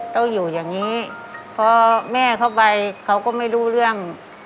ต้องอยู่อย่างนี้พอแม่เข้าไปเขาก็ไม่รู้เรื่อง